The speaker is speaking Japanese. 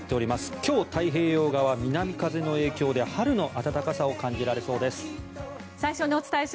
今日、太平洋側、南風の影響で春の暖かさを感じられそうです。